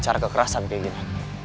cara kekerasan kayak gini